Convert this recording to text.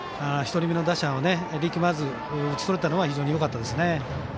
１人目の打者を力まず打ち取れたのは非常によかったですね。